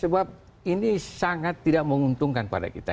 sebab ini sangat tidak menguntungkan pada kita